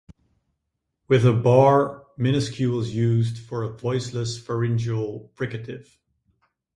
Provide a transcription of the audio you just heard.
With a bar, minuscule is used for a voiceless pharyngeal fricative.